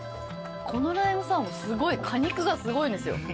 このライムサワーも果肉がすごいんですよ。